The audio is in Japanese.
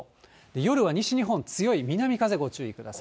夜は西日本、強い南風、ご注意ください。